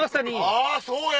あぁそうや！